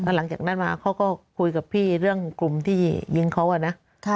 หลังจากนั้นมาเขาก็คุยกับพี่เรื่องกลุ่มที่ยิงเขาอะนะ